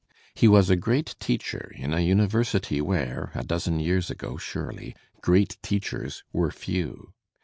He was a great teacher in a university where (a dozen years ago, surely) great teachers were few.